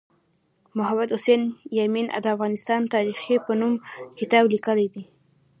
محمد حسین یمین د افغانستان تاریخي په نوم کتاب لیکلی دی